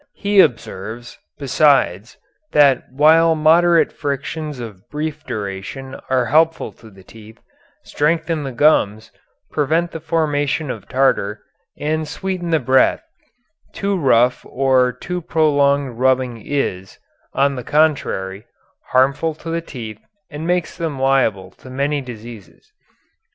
He observes, besides, that whilst moderate frictions of brief duration are helpful to the teeth, strengthen the gums, prevent the formation of tartar, and sweeten the breath, too rough or too prolonged rubbing is, on the contrary, harmful to the teeth, and makes them liable to many diseases."